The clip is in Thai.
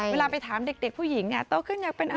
เวลาไปถามเด็กผู้หญิงโตขึ้นอยากเป็นอะไร